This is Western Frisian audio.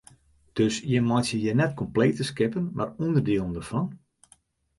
Dus jim meitsje hjir net komplete skippen mar ûnderdielen dêrfan?